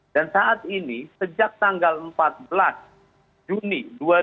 dan saat ini sejak tanggal empat belas juni dua ribu dua puluh dua